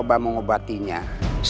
tapi sembilan petunjuk